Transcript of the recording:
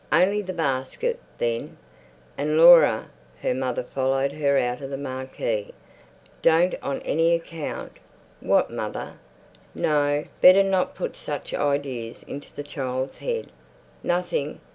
"Only the basket, then. And, Laura!"—her mother followed her out of the marquee—"don't on any account—" "What mother?" No, better not put such ideas into the child's head! "Nothing!